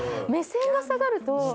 目線が下がると。